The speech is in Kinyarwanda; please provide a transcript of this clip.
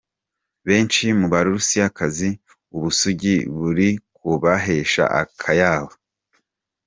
Benshi mu Barusiyakazi, ubusugi buri kubahesha akayabo.